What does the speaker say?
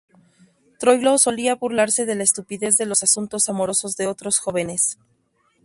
Troilo solía burlarse de la estupidez de los asuntos amorosos de otros jóvenes.